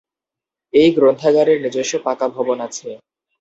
এই গ্রন্থাগারের নিজস্ব পাকা ভবন আছে।